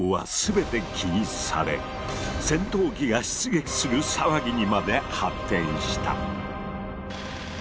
戦闘機が出撃する騒ぎにまで発展した。